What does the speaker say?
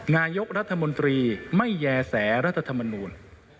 นายกรัฐมนตรีไม่แย่แสรัฐธรรมนูล